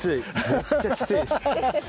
めっちゃきついです。